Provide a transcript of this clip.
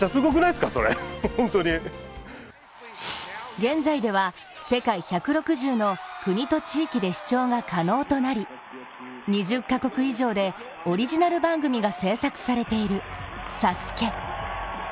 現在では世界１６０の国と地域で視聴が可能となり２０か国以上でオリジナル番組が制作されている「ＳＡＳＵＫＥ」。